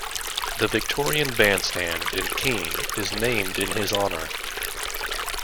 The Victorian Bandstand in Keene is named in his honor.